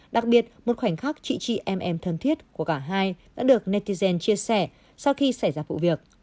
đặc biệt một khoảnh khắc trị trị em em thân thiết của cả hai đã được thay đổi